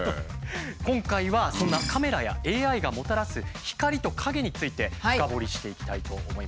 今回はそんなカメラやＡＩがもたらす光と影について深掘りしていきたいと思います。